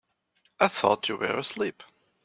I thought you were asleep.